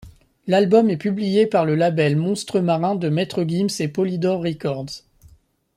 L'album est publié par le label Monstre Marin de Maître Gims et Polydor Records.